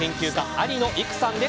有野いくさんです。